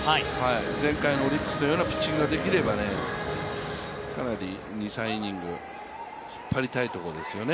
前回のオリックスのようなピッチングができれば、かなり２３イニング引っ張りたいところですよね。